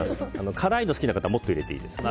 辛いの好きな方はもっと入れていいです。